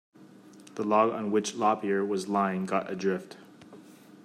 The log on which Lop-Ear was lying got adrift.